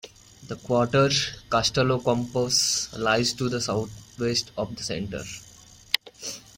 The quarter Kastellokampos lies to the southwest of the centre.